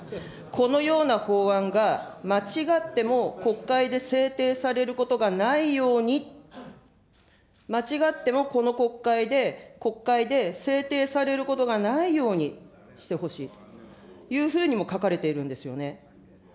このような法案が間違っても国会で制定されることがないように、間違ってもこの国会で、国会で制定されることがないようにしてほしいというふうにも書かれているんですよね。